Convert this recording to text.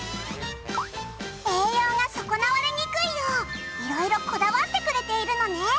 栄養が損なわれにくいよう色々こだわってくれているのね。